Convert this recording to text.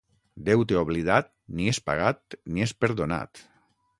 Deute oblidat, ni és pagat ni és perdonat.